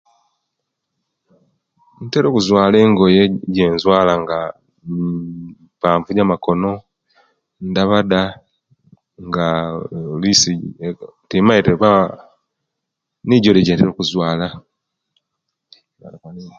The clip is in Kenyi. Ntera okuzwala engoye ejenzuwala nga nnn mpanvu jamakona, ndabada ngaa oluisi timaite nga nijonejentera okuzuwala